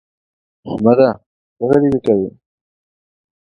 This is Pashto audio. احمده! څه غريبي کوې؟